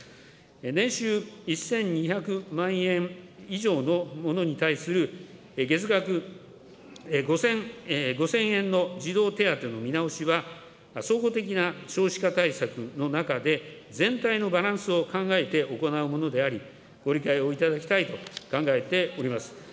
年収１２００万円以上の者に対する月額５０００円の児童手当の見直しは、総合的な少子化対策の中で、全体のバランスを考えて行うものであり、ご理解をいただきたいと考えております。